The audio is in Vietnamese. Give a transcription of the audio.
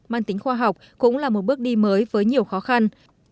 mang tính khoa học cũng là một bước đi mới với nhiều khó khăn